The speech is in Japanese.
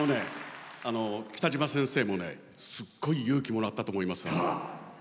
北島先生もすごい勇気もらったと思います。